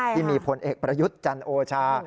ที่มีผลเอกประยุทธ์จันโอชา